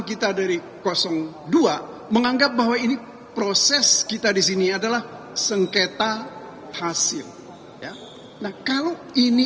kita dari dua menganggap bahwa ini proses kita disini adalah sengketa hasil ya nah kalau ini